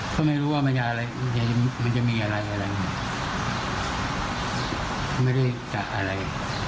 เขาไม่รู้ว่ามันจะมีอะไรไม่ได้จักอะไร